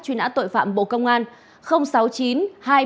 truy nã tội phạm bộ công an